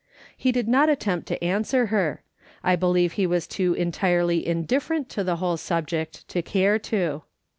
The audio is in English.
He did not attempt to answer her ; I believe he was too entirely indifferent to the whole subject to care to.